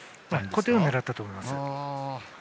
小手を狙ったと思います。